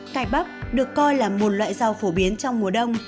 cải bắc được coi là một loại rau phổ biến trong mùa đông